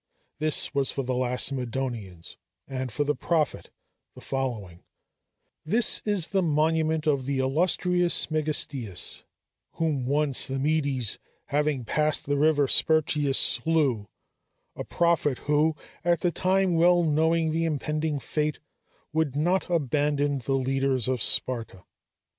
This was for the Lacedæmonians; and for the prophet, the following: "This is the monument of the illustrious Megistias, whom once the Medes, having passed the river Sperchius, slew; a prophet who, at the time well knowing the impending fate, would not abandon the leaders of Sparta!"